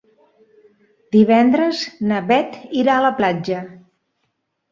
Divendres na Bet irà a la platja.